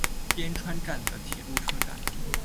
边川站的铁路车站。